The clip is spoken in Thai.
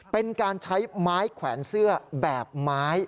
เป็นการใช้ไม้แขวนเสื้อแบบไม้